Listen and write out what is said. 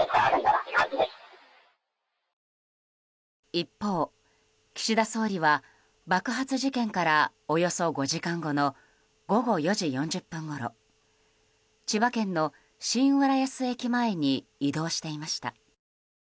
一方、岸田総理は爆発事件からおよそ５時間後の午後４時４０分ごろ千葉県の新浦安駅前に移動していました。